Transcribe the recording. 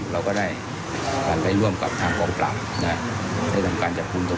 ให้โปรดความเทียบร้อยนะครับ